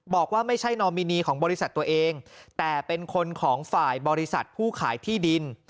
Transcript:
บอกว่าไม่ใช่นอมินีของบริษัทตัวเองแต่เป็นคนของฝ่ายบริษัทผู้ขายที่ดิน